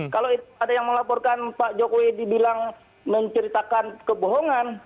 kalau ada yang melaporkan pak jokowi dibilang menceritakan kebohongan